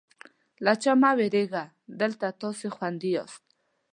له چا مه وېرېږئ، دلته تاسې خوندي یاست.